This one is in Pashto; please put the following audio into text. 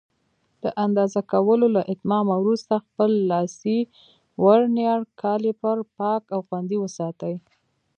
د اندازه کولو له اتمامه وروسته خپل لاسي ورنیر کالیپر پاک او خوندي وساتئ.